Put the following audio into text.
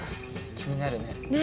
気になるね？ね？